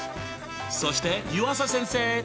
そして湯浅先生。